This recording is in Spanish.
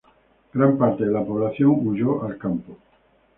Gran parte de la población huyó al campo.